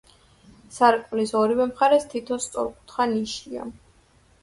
სარკმლის ორივე მხარეს თითო სწორკუთხა ნიშია.